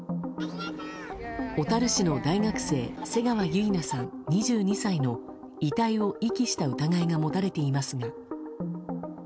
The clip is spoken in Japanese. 小樽市の大学生瀬川結菜さん、２２歳の遺体を遺棄した疑いが持たれていますが。